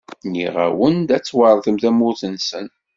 Nniɣ-awen-d: Ad tweṛtem tamurt-nsen.